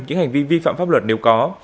những hành vi vi phạm pháp luật nếu có